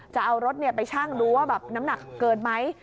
จะเอารถไปชั่งดูว่าแบบน้ำหนักเกินไหม